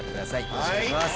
よろしくお願いします。